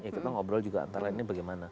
kita ngobrol juga antara lainnya bagaimana